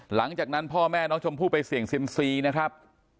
หลังจากนั้นพ่อแม่น้องชมพู่ไปเสี่ยงซิมซีนะครับ